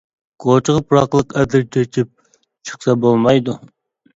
كوچىغا پۇراقلىق ئەتىر چېچىپ چىقسا بولمايدۇ.